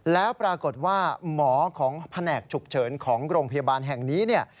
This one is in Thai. แล้วปรากฏว่าหมอของแผนกฉุกเฉินของโรงพยาบาลแห่งนี้เนี่ย